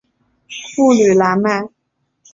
布吕莱迈。